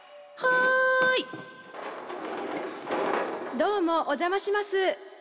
どうもお邪魔します。